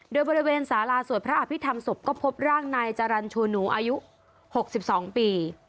โดยบริเวณสาราสวดพระอภิษฐรรมศพก็พบร่างนายจรรย์ชูหนูอายุ๖๒ปี